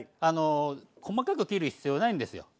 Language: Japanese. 細かく切る必要ないんですよ。